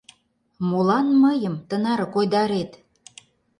Молан мыйым тынаре койдарет?